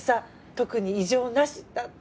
特に異常なしだって。